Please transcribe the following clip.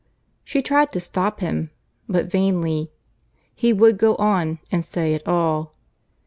She tried to stop him; but vainly; he would go on, and say it all.